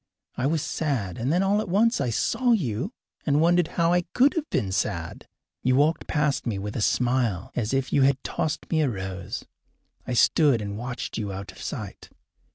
I was sad, and then all at once I saw you, and wondered how I could have been sad. You walked past me with a smile, as if you had tossed me a rose. I stood and watched you out of sight.